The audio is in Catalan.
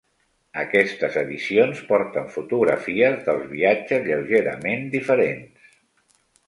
Aquestes edicions porten fotografies dels viatges lleugerament diferents.